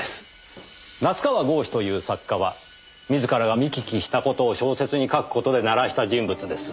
夏河郷士という作家は自らが見聞きした事を小説に書く事で鳴らした人物です。